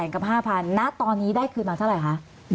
กับ๕๐๐ณตอนนี้ได้คืนมาเท่าไหร่คะ